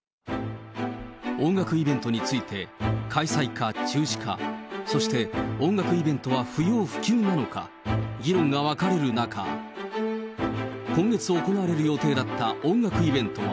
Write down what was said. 音楽イベントについて、開催か、中止か、そして音楽イベントは不要不急なのか、議論が分かれる中、今月行われる予定だった音楽イベントは。